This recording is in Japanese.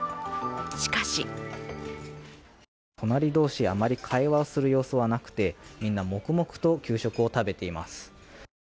しかし隣同士、あまり会話をする様子はなくてみんな黙々と給食を食べています。